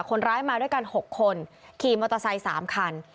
คนร้ายมาด้วยกัน๖คนขี่มอเตอร์ไซค์๓คัน